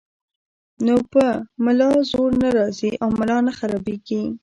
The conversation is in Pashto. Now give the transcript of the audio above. نو پۀ ملا زور نۀ راځي او ملا نۀ خرابيږي -